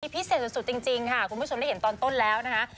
พิเศษสุดจริงค่ะคุณผู้ชมได้เห็นตอนต้นแล้วนะคะ